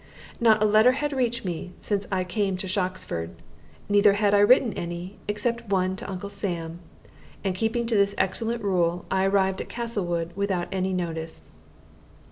Not a letter had reached me since I came to Shoxford, neither had I written any, except one to Uncle Sam; and keeping to this excellent rule, I arrived at Castlewood without notice.